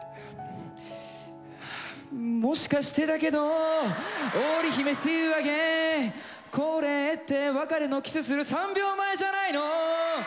もしかしてだけど織姫シーユーアゲインこれって別れのキスする３秒前じゃないの？